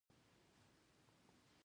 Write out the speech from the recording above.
پلوشه زما خور ده